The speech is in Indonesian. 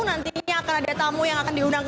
nantinya akan ada tamu yang akan diundang